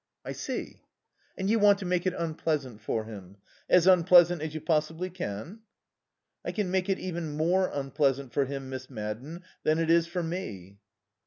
"I see. And you want to make it unpleasant for him. As unpleasant as you possibly can?" "I can make it even more unpleasant for him, Miss Madden, than it is for me."